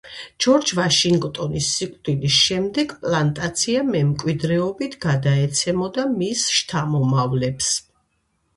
ჯორჯ ვაშინგტონის სიკვდილის შემდეგ, პლანტაცია მემკვიდრეობით გადაეცემოდა მის შთამომავლებს.